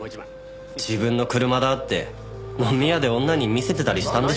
「自分の車だ」って飲み屋で女に見せてたりしたんでしょうね。